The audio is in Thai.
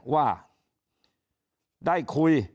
ว่าได้คุย